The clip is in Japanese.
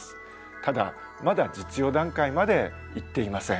ただまだ実用段階までいっていません。